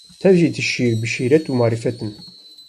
tev jî tijî bi şîret û marîfet in.